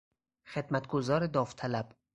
خدمتگزار داوطلب